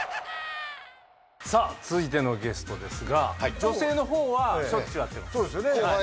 さぁ続いてのゲストですが女性のほうはしょっちゅう会ってます。